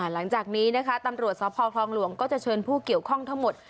หลังจากนี้นะคะตำรวจสพคลองหลวงก็จะเชิญผู้เกี่ยวข้องทั้งหมด